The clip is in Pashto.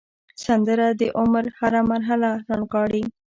سندره د عمر هره مرحله رانغاړي